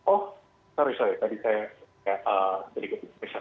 oh sorry sorry tadi saya terlalu berpikir kesusahan